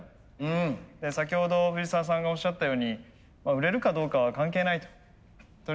先ほど藤澤さんがおっしゃったように売れるかどうかは関係ないと。